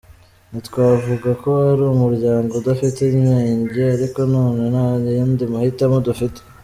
Ntitwavuga ko ari umuryango udafite inenge ariko nanone nta yandi mahitamo dufite.